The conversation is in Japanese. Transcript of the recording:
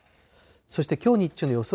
そしてきょう日中の予想